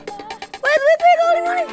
eh aduh aduh wait wait wait kak olin